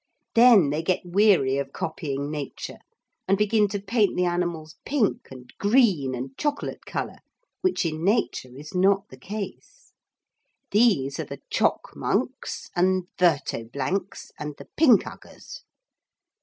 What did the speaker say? Then they get weary of copying nature and begin to paint the animals pink and green and chocolate colour, which in nature is not the case. These are the chockmunks, and vertoblancs and the pinkuggers.